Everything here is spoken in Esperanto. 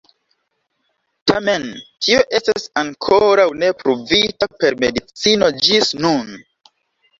Tamen tio estas ankoraŭ ne pruvita per medicino ĝis nun.